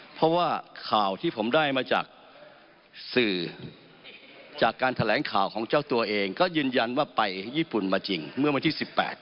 เพราะว่าข่าวที่ผมได้มาจากสื่อจากการแถลงข่าวของเจ้าตัวเองก็ยืนยันว่าไปญี่ปุ่นมาจริงเมื่อวันที่๑๘